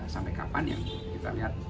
sampai kapan yang kita lihat